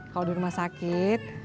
kalau di rumah sakit